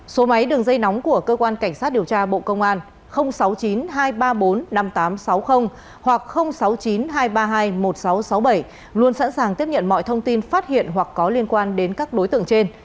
số máy đường dây nóng của cơ quan cảnh sát điều tra bộ công an sáu mươi chín hai trăm ba mươi bốn năm nghìn tám trăm sáu mươi hoặc sáu mươi chín hai trăm ba mươi hai một nghìn sáu trăm sáu mươi bảy luôn sẵn sàng tiếp nhận mọi thông tin phát hiện hoặc có liên quan đến các đối tượng trên